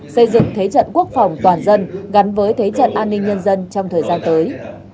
xây dựng thế trận quốc phòng toàn dân gắn với thế trận an ninh nhân dân trong thời gian tới